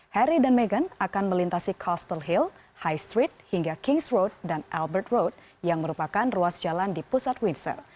harry dan meghan akan melintasi coastal hill high street hingga kings road dan albert road yang merupakan ruas jalan di pusat windsor